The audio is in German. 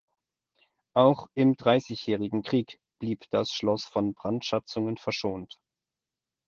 Auch im Dreißigjährigen Krieg blieb das Schloss von Brandschatzungen verschont.